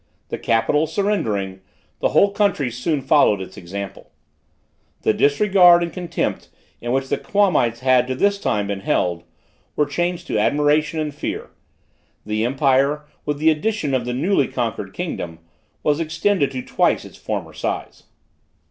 The capital surrendering, the whole country soon followed its example. The disregard and contempt in which the Quamites had to this time been held, were changed to admiration and fear: the empire, with the addition of the newly conquered kingdom, was extended to twice its former size.